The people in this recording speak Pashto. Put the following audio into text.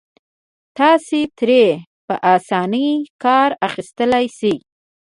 تاسې ترې په اسانۍ کار اخيستلای شئ.